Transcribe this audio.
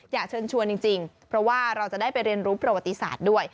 อยากเชิญชวนจริงเพราะว่าเราจะได้ไปเรียนรู้ประวัติศาสตร์ด้วย